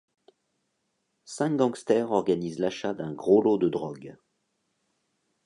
Cinq gangsters organisent l'achat d'un gros lot de drogues.